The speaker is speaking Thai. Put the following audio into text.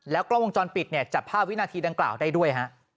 แล้วกล้องวงจรปิดจับ๕วินาทีดังกล่าวได้ด้วย